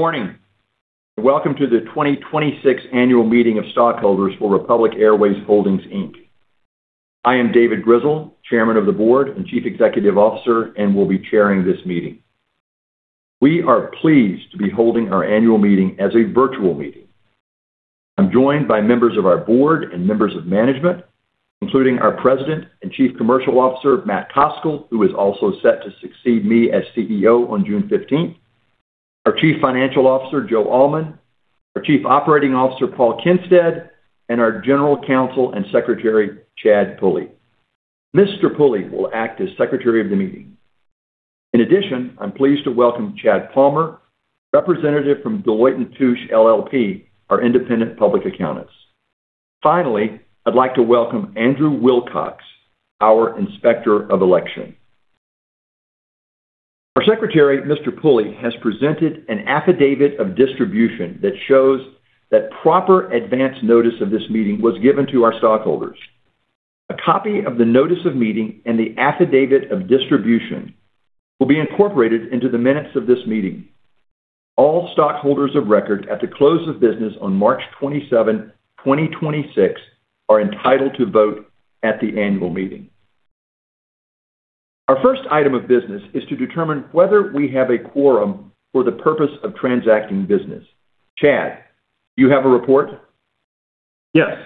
Good morning, welcome to the 2026 Annual Meeting of Stockholders for Republic Airways Holdings, Inc. I am David Grizzle, Chairman of the Board and Chief Executive Officer, and will be chairing this meeting. We are pleased to be holding our annual meeting as a virtual meeting. I'm joined by members of our board and members of management, including our President and Chief Commercial Officer, Matt Koscal, who is also set to succeed me as CEO on June 15th, our Chief Financial Officer, Joe Allman, our Chief Operating Officer, Paul Kinstedt, and our General Counsel and Secretary, Chad Pulley. Mr. Pulley will act as Secretary of the meeting. In addition, I'm pleased to welcome Chad Palmer, representative from Deloitte & Touche LLP, our independent public accountants. Finally, I'd like to welcome Andrew Wilcox, our Inspector of Election. Our Secretary, Mr. Pulley, has presented an affidavit of distribution that shows that proper advance notice of this meeting was given to our stockholders. A copy of the notice of meeting and the affidavit of distribution will be incorporated into the minutes of this meeting. All stockholders of record at the close of business on March 27th, 2026 are entitled to vote at the annual meeting. Our first item of business is to determine whether we have a quorum for the purpose of transacting business. Chad, do you have a report? Yes.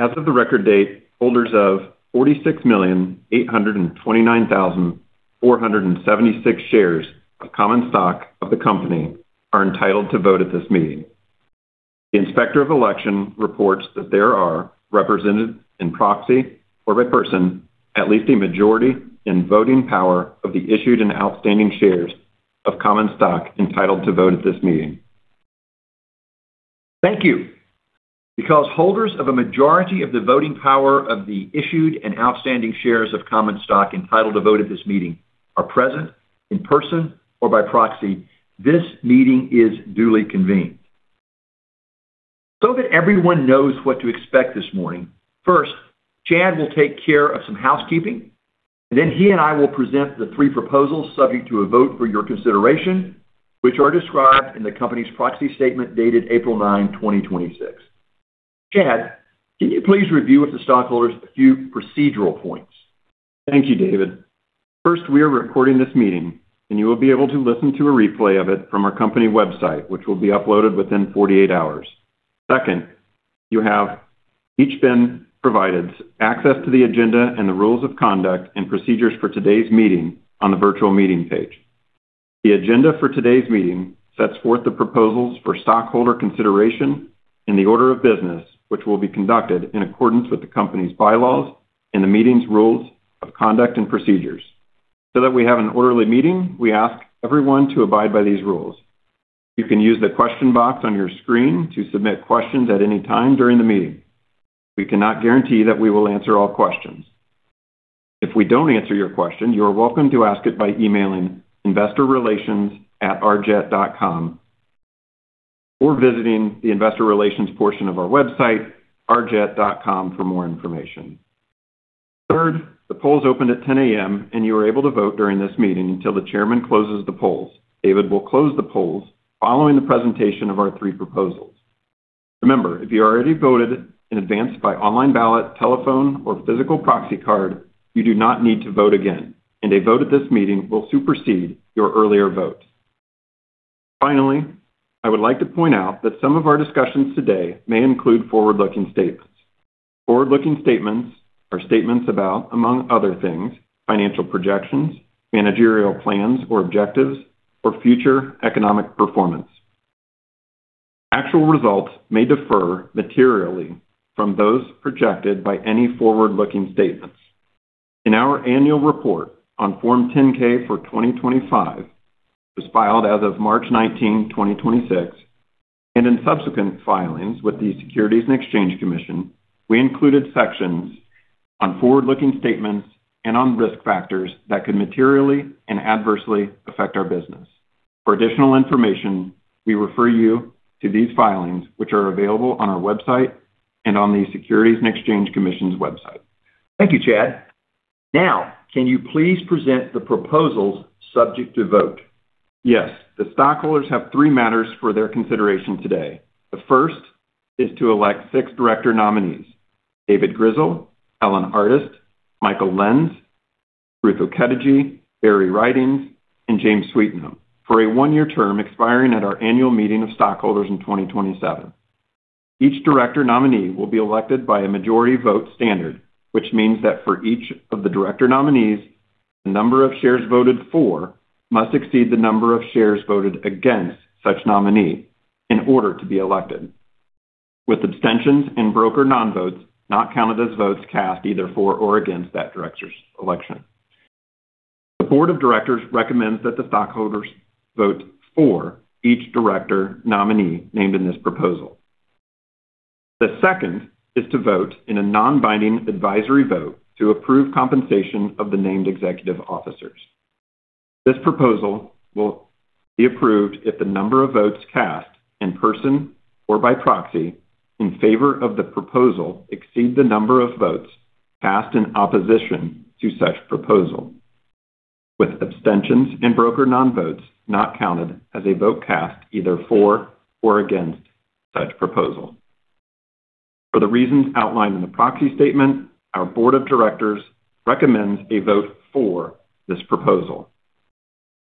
As of the record date, holders of 46,829,476 shares of common stock of the company are entitled to vote at this meeting. The Inspector of Election reports that there are represented in proxy or by person at least a majority in voting power of the issued and outstanding shares of common stock entitled to vote at this meeting. Thank you. Because holders of a majority of the voting power of the issued and outstanding shares of common stock entitled to vote at this meeting are present in person or by proxy, this meeting is duly convened. So that everyone knows what to expect this morning, first, Chad will take care of some housekeeping, and then he and I will present the three proposals subject to a vote for your consideration, which are described in the company's proxy statement dated April 9, 2026. Chad, can you please review with the stockholders a few procedural points? Thank you, David. First, we are recording this meeting, and you will be able to listen to a replay of it from our company website, which will be uploaded within 48 hours. Second, you have each been provided access to the agenda and the rules of conduct and procedures for today's meeting on the virtual meeting page. The agenda for today's meeting sets forth the proposals for stockholder consideration and the order of business, which will be conducted in accordance with the company's bylaws and the meeting's rules of conduct and procedures. That we have an orderly meeting, we ask everyone to abide by these rules. You can use the question box on your screen to submit questions at any time during the meeting. We cannot guarantee that we will answer all questions. If we don't answer your question, you are welcome to ask it by emailing InvestorRelations@rjet.com or visiting the investor relations portion of our website, rjet.com, for more information. Third, the polls opened at 10:00 A.M. and you are able to vote during this meeting until the chairman closes the polls. David will close the polls following the presentation of our three proposals. Remember, if you already voted in advance by online ballot, telephone, or physical proxy card, you do not need to vote again, and a vote at this meeting will supersede your earlier vote. Finally, I would like to point out that some of our discussions today may include forward-looking statements. Forward-looking statements are statements about, among other things, financial projections, managerial plans or objectives, or future economic performance. Actual results may differ materially from those projected by any forward-looking statements. In our annual report on Form 10-K for 2025, which was filed as of March 19, 2026, and in subsequent filings with the Securities and Exchange Commission, we included sections on forward-looking statements and on risk factors that could materially and adversely affect our business. For additional information, we refer you to these filings, which are available on our website and on the Securities and Exchange Commission's website. Thank you, Chad. Now, can you please present the proposals subject to vote? Yes. The stockholders have three matters for their consideration today. The first is to elect six director nominees: David Grizzle, Ellen N. Artist, Michael Lenz, Ruth Okediji, Barry Ridings, and James Sweetnam for a one-year term expiring at our annual meeting of stockholders in 2027. Each director nominee will be elected by a majority vote standard, which means that for each of the director nominees, the number of shares voted for must exceed the number of shares voted against such nominee in order to be elected, with abstentions and broker non-votes not counted as votes cast either for or against that director's election. The board of directors recommends that the stockholders vote for each director nominee named in this proposal. The second is to vote in a non-binding advisory vote to approve compensation of the named executive officers. This proposal will be approved if the number of votes cast in person or by proxy in favor of the proposal exceeds the number of votes cast in opposition to such proposal. With abstentions and broker non-votes not counted as a vote cast either for or against such proposal. For the reasons outlined in the proxy statement, our board of directors recommends a vote for this proposal.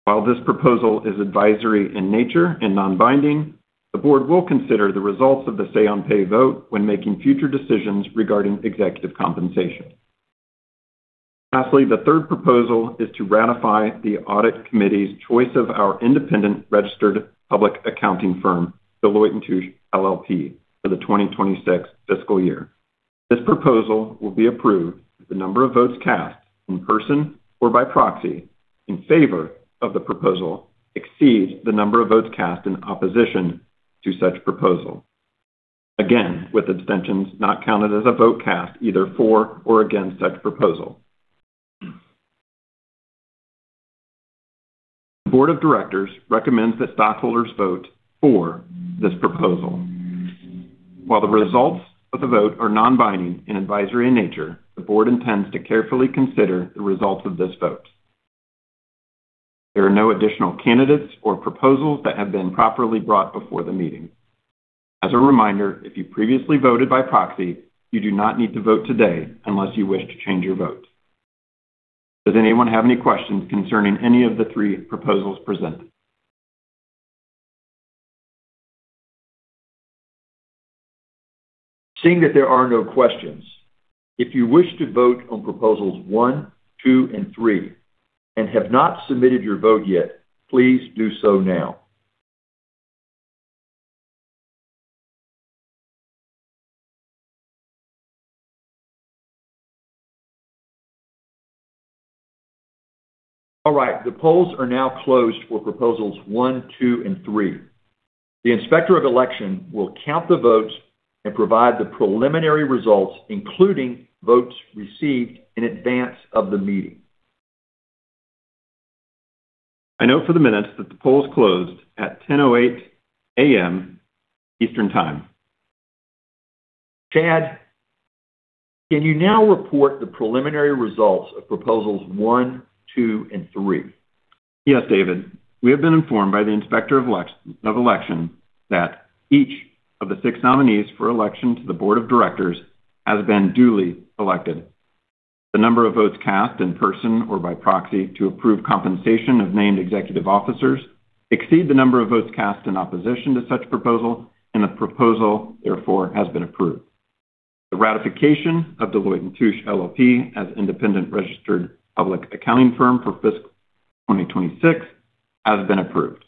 While this proposal is advisory in nature and non-binding, the board will consider the results of the say-on-pay vote when making future decisions regarding executive compensation. Lastly, the third proposal is to ratify the audit committee's choice of our independent registered public accounting firm, Deloitte & Touche LLP, for the 2026 fiscal year. This proposal will be approved if the number of votes cast in person or by proxy in favor of the proposal exceeds the number of votes cast in opposition to such proposal. Again, with abstentions not counted as a vote cast either for or against such proposal. The board of directors recommends that stockholders vote for this proposal. While the results of the vote are non-binding and advisory in nature, the board intends to carefully consider the results of this vote. There are no additional candidates or proposals that have been properly brought before the meeting. As a reminder, if you previously voted by proxy, you do not need to vote today unless you wish to change your vote. Does anyone have any questions concerning any of the three proposals presented. Seeing that there are no questions, if you wish to vote on proposals one, two, and three and have not submitted your vote yet, please do so now. All right. The polls are now closed for proposals one, two, and three. The Inspector of Election will count the votes and provide the preliminary results, including votes received in advance of the meeting. I note for the minutes that the polls closed at 10:08 A.M. Eastern Time. Chad, can you now report the preliminary results of proposals one, two, and three? Yes, David. We have been informed by the Inspector of Election that each of the six nominees for election to the board of directors has been duly elected. The number of votes cast in person or by proxy to approve compensation of named executive officers exceed the number of votes cast in opposition to such proposal, the proposal, therefore, has been approved. The ratification of Deloitte & Touche LLP as independent registered public accounting firm for fiscal 2026 has been approved.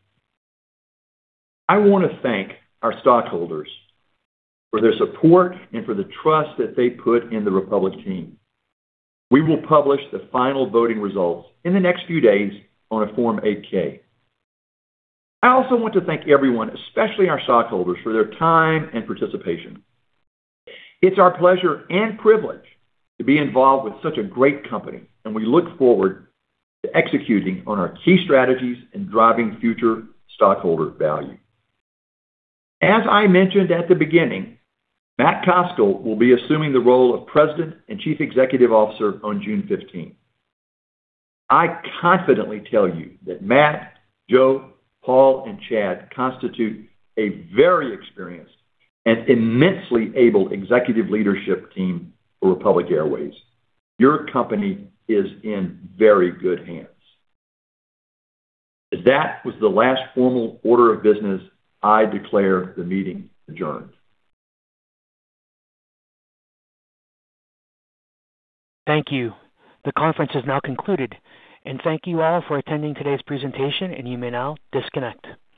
I want to thank our stockholders for their support and for the trust that they put in the Republic team. We will publish the final voting results in the next few days on a Form 8-K. I also want to thank everyone, especially our stockholders, for their time and participation. It's our pleasure and privilege to be involved with such a great company, and we look forward to executing on our key strategies and driving future stockholder value. As I mentioned at the beginning, Matt Koscal will be assuming the role of President and Chief Executive Officer on June 15th. I confidently tell you that Matt, Joe, Paul, and Chad constitute a very experienced and immensely able executive leadership team for Republic Airways. Your company is in very good hands. As that was the last formal order of business, I declare the meeting adjourned. Thank you. The conference has now concluded. Thank you all for attending today's presentation, and you may now disconnect.